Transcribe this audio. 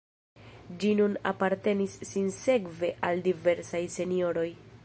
Ĝi nun apartenis sinsekve al diversaj senjoroj.